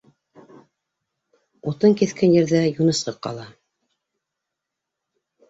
Утын киҫкән ерҙә юнысҡы ҡала.